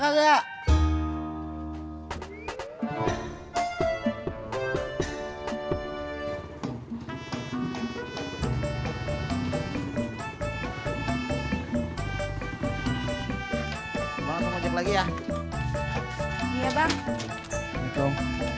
aku ajak lagi ya iya bang budom salam